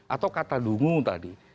atau kata dungu tadi